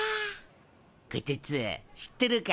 こてつ知っとるか？